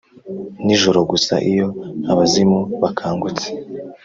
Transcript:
nijoro gusa iyo abazimu bakangutse,